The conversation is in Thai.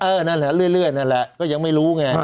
นั่นแหละเรื่อยนั่นแหละก็ยังไม่รู้ไง